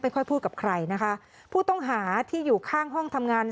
ค่อยพูดกับใครนะคะผู้ต้องหาที่อยู่ข้างห้องทำงาน